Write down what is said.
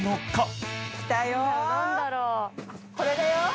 これだよ。